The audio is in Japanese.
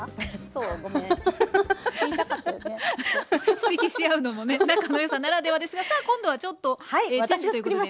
指摘し合うのもね仲のよさならではですがさあ今度はちょっとチェンジということで。